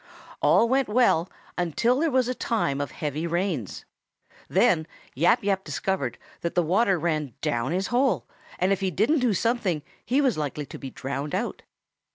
All went well until there came a time of heavy rains. Then Yap Yap discovered that the water ran down his hole, and if he didn't do something, he was likely to be drowned out.